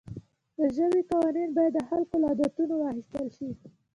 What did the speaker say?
د ژبې قوانین باید د خلکو له عادتونو واخیستل شي.